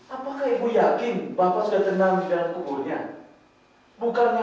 apakah ibu yakin bapak sudah tenang di dalam kuburnya